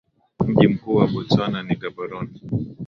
Mji mkuu wa Botswana ni Gaborone